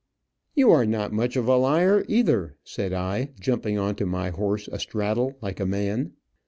"You are not much of a liar, either," said I, jumping on to my horse astraddle, like a man.